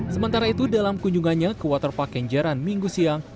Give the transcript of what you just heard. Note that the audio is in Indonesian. sementara itu dalam kunjungannya ke waterpark kenjaran minggu siang